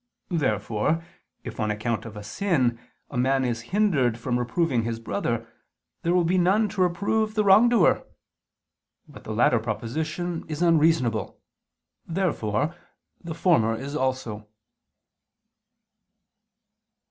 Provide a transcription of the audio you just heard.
Therefore if, on account of a sin, a man is hindered from reproving his brother, there will be none to reprove the wrongdoer. But the latter proposition is unreasonable: therefore the former is also.